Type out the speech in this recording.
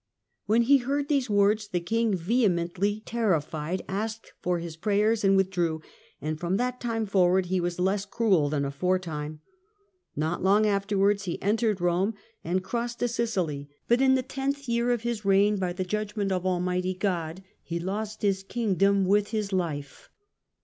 When he heard these words, the king, vehemently terrified, asked for his prayers, and withdrew ; and from that time forward he was less cruel than aforetime. Not long afterwards he entered Kome, and crossed to Sicily. But in the tenth year of his reign by the judgment of Almighty God, he lost his kingdom with his life."